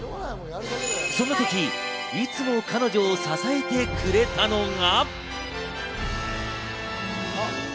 そんな時、いつも彼女を支えてくれたのが。